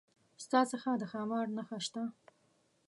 ستا څخه د ښامار نخښه شته؟